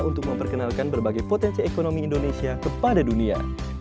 untuk memperkenalkan berbagai potensi ekonomi indonesia kepada dunia